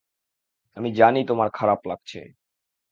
আমি জানি তোমার খারাপ লাগছে।